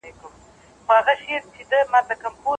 د هغې د شخصيت او جنسيت اکرام او درناوی وکړئ